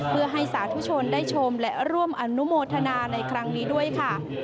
เพื่อให้สาธุชนได้ชมและร่วมอนุโมทนาในครั้งนี้ด้วยค่ะ